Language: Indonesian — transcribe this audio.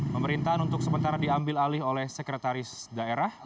pemerintahan untuk sementara diambil alih oleh sekretaris daerah